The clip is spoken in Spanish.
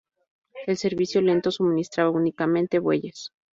El servicio lento suministraba únicamente bueyes.